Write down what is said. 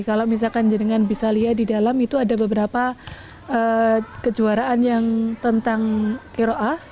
kalau misalkan dengan bisa lihat di dalam itu ada beberapa kejuaraan yang tentang kiroa